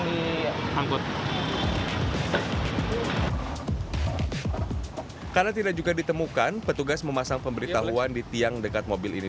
diangkut karena tidak juga ditemukan petugas memasang pemberitahuan di tiang dekat mobil ini